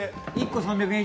１個３００円